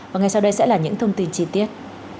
và ngay sau đây sẽ là những thông tin chi tiết